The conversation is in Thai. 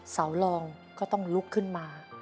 เสารองก็ต้องลุกขึ้นมา